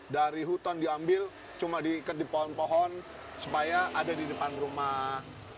dari hutan diambil cuma diikat di pohon pohon supaya ada di depan rumah